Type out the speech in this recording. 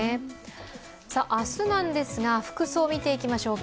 明日なんですが、服装を見ていきましょう。